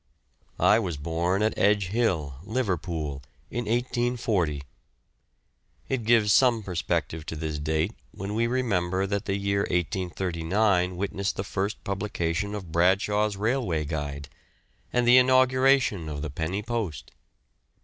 I was born at Edge Hill, Liverpool, in 1840 it gives some perspective to this date when we remember that the year 1839 witnessed the first publication of Bradshaw's Railway Guide, and the inauguration of the penny post.